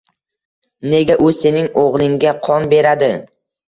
Nega u sening o`g`lingga qon beradi